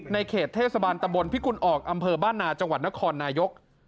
เขตเทศบาลตะบนพิกุลออกอำเภอบ้านนาจังหวัดนครนายก